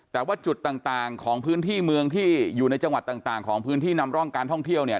แต่ว่าจุดต่างของพื้นที่เมืองที่อยู่ในจังหวัดต่างของพื้นที่นำร่องการท่องเที่ยวเนี่ย